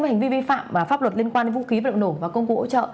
với hành vi vi phạm và pháp luật liên quan đến vũ khí vật liệu nổ và công cụ hỗ trợ